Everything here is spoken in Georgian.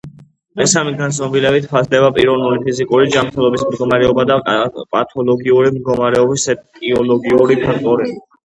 მესამე განზომილებით ფასდება პიროვნული ფიზიკური ჯანმრთელობის მდგომარეობა და პათოლოგიური მდგომარეობის ეტიოლოგიური ფაქტორები.